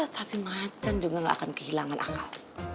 tapi macan juga gak akan kehilangan akal